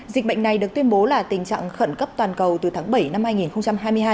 dịch bệnh này được tuyên bố là tình trạng khẩn cấp toàn cầu từ tháng bảy năm hai nghìn hai mươi hai